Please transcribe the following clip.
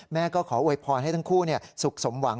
แม่ก็ขอโวยพรให้ทั้งคู่สุขสมหวัง